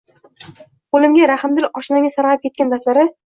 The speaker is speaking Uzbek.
Qoʻlimga rahmatli oshnamning sargʻayib ketgan daftari.